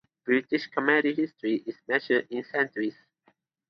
British comedy history is measured in centuries.